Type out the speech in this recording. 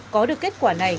có được kết quả này